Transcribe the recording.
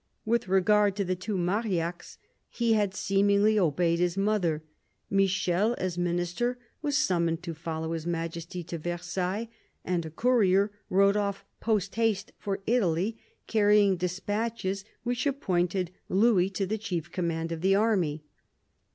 With regard to the two Marillacs, he had seemingly obeyed his mother. Michel, as Minister, was summoned to follow His Majesty to Versailles, and a courier rode off post haste for Italy, carrying despatches which appointed Louis to the chief command of the army.